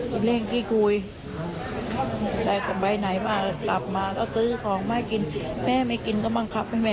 คุณแม่คิดสิ่งที่เขาบอกให้ลูกสาวไปทำงานต่างประเทศ